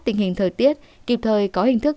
tình hình thời tiết kịp thời có hình thức